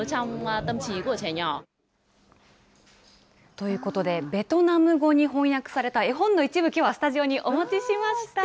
ということで、ベトナム語に翻訳された絵本の一部、きょうはスタジオにお持ちしました。